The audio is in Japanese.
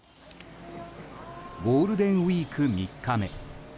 ゴールデンウィーク３日目。